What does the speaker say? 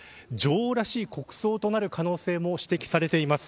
女王らしい国葬となる可能性も指摘されています。